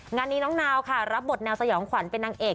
งานนี้น้องนาวค่ะรับบทแนวสยองขวัญเป็นนางเอก